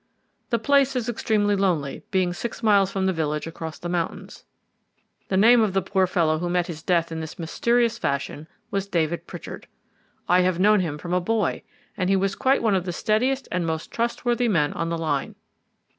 The place is extremely lonely, being six miles from the village across the mountains. The name of the poor fellow who met his death in this mysterious fashion was David Pritchard. I have known him from a boy, and he was quite one of the steadiest and most trustworthy men on the line.